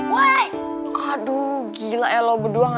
woi aduh gila ya lo berdua ngapain ya